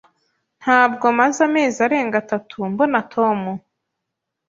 Ntabwo maze amezi arenga atatu mbona Tom.